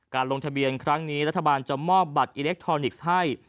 ลงทะเบียนครั้งนี้รัฐบาลจะมอบบัตรอิเล็กทรอนิกส์ให้